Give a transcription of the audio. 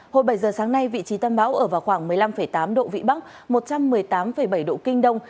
hồi bảy giờ sáng nay vị trí tâm bão ở vào khoảng một mươi năm tám độ vĩ bắc một trăm một mươi tám bảy độ kinh đông